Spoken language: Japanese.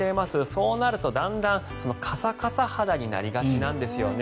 そうなるとだんだんカサカサ肌になりがちなんですよね。